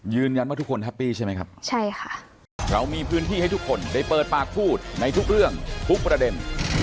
ทุกคนแฮปปี้ใช่ไหมครับใช่ค่ะเรามีพื้นที่ให้ทุกคนได้เปิดปากพูดในทุกเรื่องทุกประเด็น